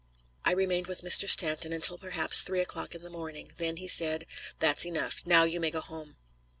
I remained with Mr. Stanton until perhaps three o'clock in the morning. Then he said: "That's enough. Now you may go home."